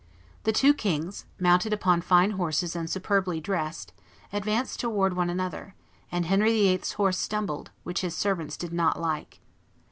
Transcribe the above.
The two kings, mounted upon fine horses and superbly dressed, advanced towards one another; and Henry VIII.'s horse stumbled, which his servants did not like.